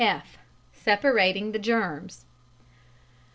] (f) _Separating the Germs.